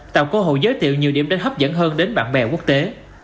tạo cơ hội giới thiệu nhiều điểm đến hấp dẫn hơn đến bạn bè quốc tế